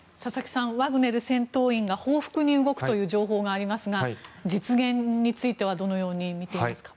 ワグネル戦闘員が報復に動くという情報がありますが実現についてはどのように見ていますか。